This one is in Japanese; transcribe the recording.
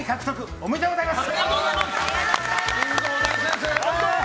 ありがとうございます！